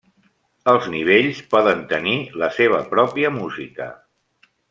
Els nivells poden tenir la seva pròpia música.